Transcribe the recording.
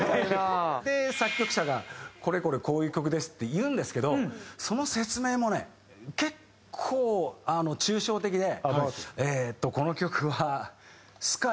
で作曲者が「これこれこういう曲です」って言うんですけどその説明もね結構抽象的で。でしょうね！